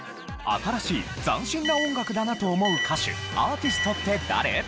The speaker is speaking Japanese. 新しい斬新な音楽だなと思う歌手・アーティストって誰？